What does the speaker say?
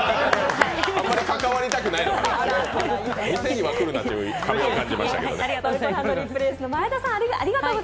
あまり関わりたくないのかな、店には来るなという風を感じましたけどね。